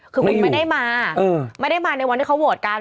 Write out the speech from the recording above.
คือมันไม่ได้มาไม่ได้มาในวันที่เขาโหวตกัน